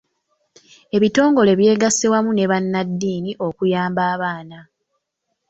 Ebitongole byegasse wamu ne bannaddiini okuyamba abaana.